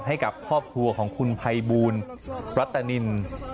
ให้กับครอบครัวของคุณภัยบูลรัตนิน